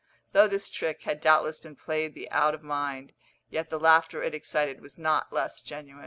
Though this trick had doubtless been played time out of mind, yet the laughter it excited was not less genuine.